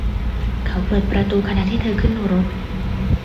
เขาเปิดประตูขณะที่เธอขึ้นรถ